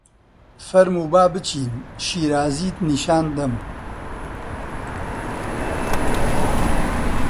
فەرموو با بچین شیرازیت نیشان دەم!